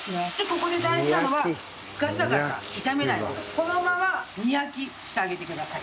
ここで大事なのはガサガサ炒めないでこのまま煮焼きしてあげてください。